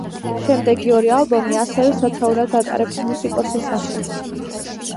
შემდეგი ორი ალბომი ასევე სათაურად ატარებს მუსიკოსის სახელს.